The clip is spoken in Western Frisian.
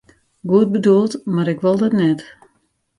Goed bedoeld, mar ik wol dat net.